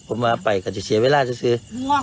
ผมว่าไปก็จะเสียเวลาจะซื้อ